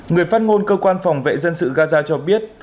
người phát ngôn cơ quan phòng vệ dân sự gaza cho biết